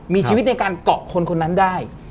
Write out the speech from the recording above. มีชีวิตในการเกาะคนคนนั้นได้